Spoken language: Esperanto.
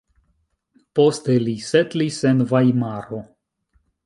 Poste li setlis en Vajmaro.